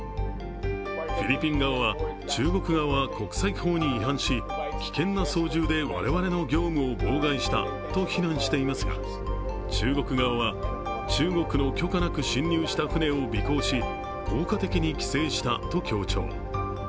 フィリピン側は中国側は国際法に違反し、危険な操縦で我々の業務を妨害したと非難していますが中国側は、中国の許可なく侵入した船を尾行し効果的に規制したと強調。